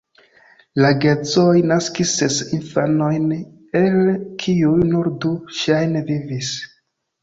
La geedzoj naskis ses infanojn, el kiuj nur du ŝajne vivis.